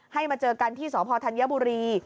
มาเจอกันที่สพธัญบุรี